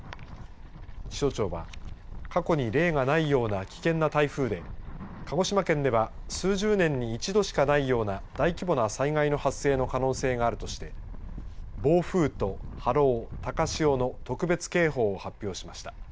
気象庁は過去に例がないような危険な台風で鹿児島県では数十年に一度しかないような大規模な災害の発生の可能性があるとして暴風と波浪高潮の特別警報を発表しました。